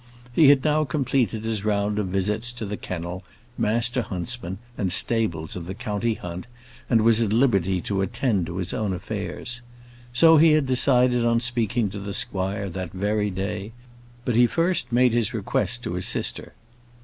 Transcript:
He had now completed his round of visits to the kennel, master huntsman, and stables of the county hunt, and was at liberty to attend to his own affairs. So he had decided on speaking to the squire that very day; but he first made his request to his sister.